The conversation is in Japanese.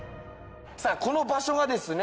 さあこの場所はですね